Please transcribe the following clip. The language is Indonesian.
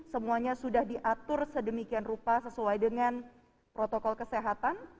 semuanya sudah diatur sedemikian rupa sesuai dengan protokol kesehatan